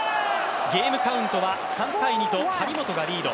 ゲームカウントは３−２と張本がリード。